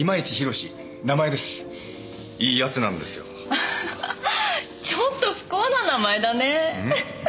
アハハちょっと不幸な名前だね。